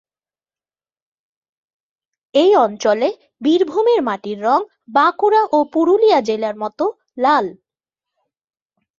এই অঞ্চলে বীরভূমের মাটির রং বাঁকুড়া ও পুরুলিয়া জেলার মতো লাল।